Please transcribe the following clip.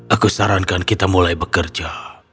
aku sarankan kita mulai bekerja